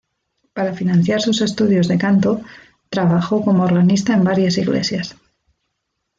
Para financiar sus estudios de canto, trabajo como organista en varias iglesias.